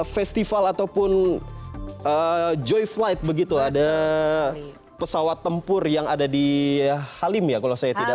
festival ataupun joy flight begitu ada pesawat tempur yang ada di halim ya kalau saya tidak